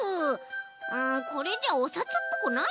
これじゃあおさつっぽくないね。